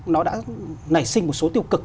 nó đã nảy sinh một số tiêu cực